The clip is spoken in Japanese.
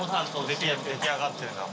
出来上がってるんだ